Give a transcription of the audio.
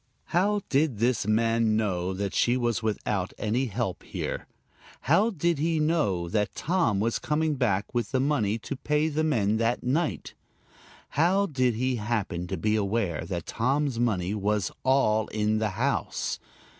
How did this man know that she was without any help here? How did he know that Tom was coming back with the money to pay the men that night? How did he happen to be aware that Tom's money was all in the house?